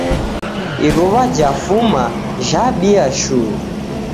Iruwa jafuma, jhabia shuu.